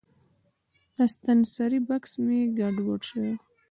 د ستنسرۍ بکس مې ګډوډ شوی و.